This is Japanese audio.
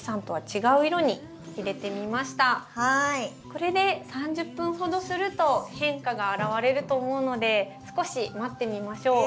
これで３０分ほどすると変化が表れると思うので少し待ってみましょう。